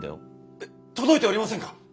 えっ届いておりませんか！？